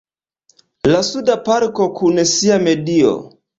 La Suda parko kun sia medio.